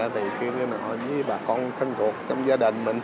thì khiến bà con thân thuộc trong gia đình mình